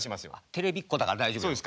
テレビっ子だから大丈夫よ。